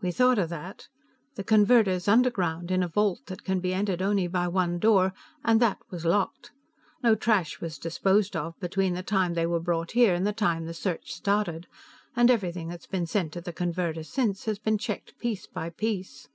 "We thought of that. The converter's underground, in a vault that can be entered only by one door, and that was locked. No trash was disposed of between the time they were brought there and the time the search started, and everything that's been sent to the converter since has been checked piece by piece."